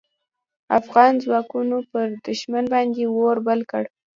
افغان ځواکونو پر دوښمن باندې اور بل کړ.